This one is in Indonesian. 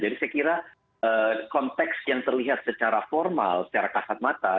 jadi saya kira konteks yang terlihat secara formal secara kakak mata